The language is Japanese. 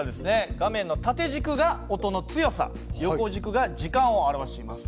画面の縦軸が音の強さ横軸が時間を表します。